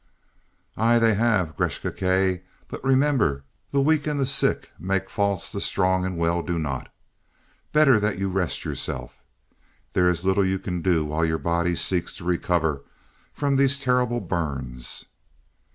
"Aye, they have, Gresth Gkae. But remember, the weak and the sick make faults the strong and the well do not. Better that you rest yourself. There is little you can do while your body seeks to recover from these terrible burns."